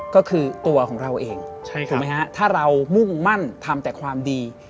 ก็คือตัวของเราเองถูกไหมฮะถ้าเรามุ่งมั่นทำแต่ความดี